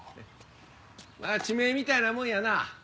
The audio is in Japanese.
まあ地名みたいなもんやな。